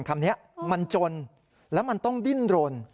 คำนี้มันจนแล้วมันต้องดิ้นรน